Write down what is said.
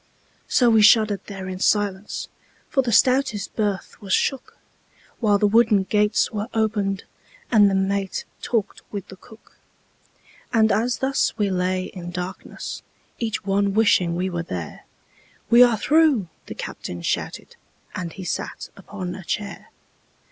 So we shuddered there in silence, For the stoutest berth was shook, While the wooden gates were opened And the mate talked with the cook. And as thus we lay in darkness, Each one wishing we were there, "We are through!" the captain shouted, And he sat upon a chair.